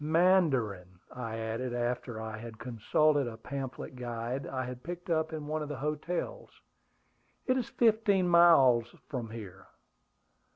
"Mandarin," I added, after I had consulted a pamphlet guide I had picked up in one of the hotels. "It is fifteen miles from here."